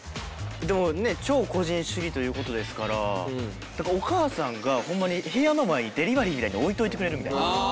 でもね超個人主義という事ですからお母さんがホンマに部屋の前にデリバリーみたいに置いておいてくれるみたいな。